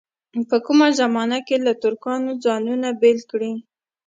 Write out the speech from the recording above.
په کومه زمانه کې له ترکانو ځانونه بېل کړي.